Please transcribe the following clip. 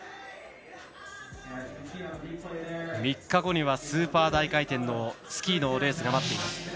３日後にはスーパー大回転のスキーのレースが待っています。